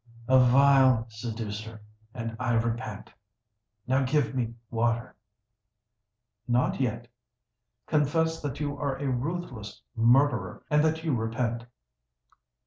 "A vile seducer—and I repent. Now give me water!" "Not yet. Confess that you are a ruthless murderer, and that you repent!"